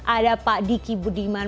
ada pak diki budiman